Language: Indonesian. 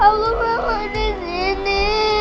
aku mau disini